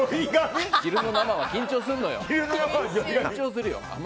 昼の生は緊張するのよ。